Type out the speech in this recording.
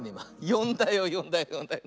よんだよよんだよよんだよ。